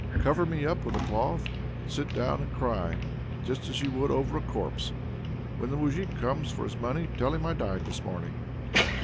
Cover me up with a cloth, and sit down and cry, just as you would over a corpse. When the moujik comes for his money, tell him I died this morning."